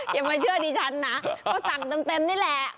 อย่ามาเชื่อดิฉันนะก็สั่งเต็มนี่แหละ